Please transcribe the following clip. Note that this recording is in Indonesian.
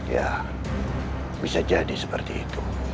ya bisa jadi seperti itu